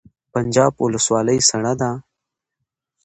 پنجاب ولسوالۍ سړه ده؟